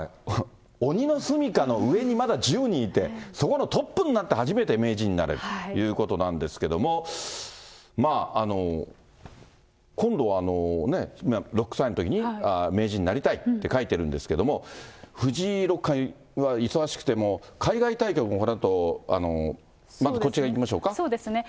鬼のすみかの上にまだ１０人いて、そこのトップになって初めて名人になれるということなんですけども、今度は、６歳のときに、めいじんになりたいって書いてるんですけども、藤井六冠は忙しくてもう、海外対局もこのあと、そうですね。